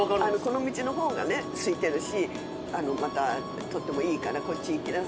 この道の方がねすいてるしまたとってもいいからこっち行きなさいとか。